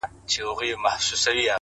د هر وجود نه راوتلې د روح لاره سوې”